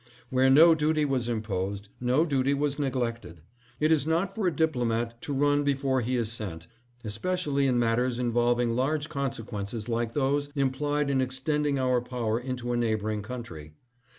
Where no duty was im posed, no duty was neglected. It is not for a diplomat to run before he is sent, especially in matters involving large consequences like those implied in extending our power into a neighboring country.